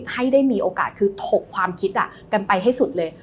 ให้ได้มีโอกาสคือถกความคิดกันไปให้สุดเลย